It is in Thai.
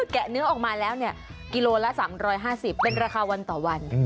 ะเนื้อออกมาแล้วกิโลละ๓๕๐เป็นราคาวันต่อวัน